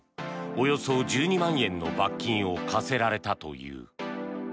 およそ１２万円の罰金を科せられたという。